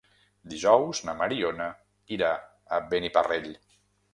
Dijous na Mariona irà a Beniparrell.